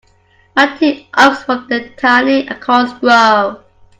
Mighty oaks from tiny acorns grow.